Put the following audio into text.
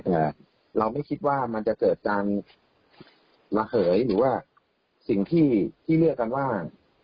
เอ่อเราไม่คิดว่ามันจะเกิดการระเหยหรือว่าสิ่งที่ที่เรียกกันว่า